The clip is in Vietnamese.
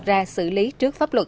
ra xử lý trước pháp luật